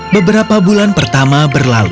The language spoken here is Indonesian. beberapa bulan pertama berlalu